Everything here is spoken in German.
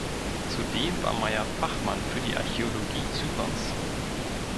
Zudem war Maier Fachmann für die Archäologie Zyperns.